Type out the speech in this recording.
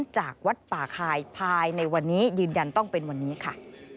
จากวัดป่าคายภายในวันนี้ยืนยันต้องเป็นวันนี้ค่ะ